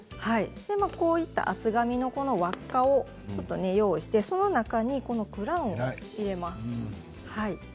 厚紙の輪っかを用意してその中にクラウンを入れます。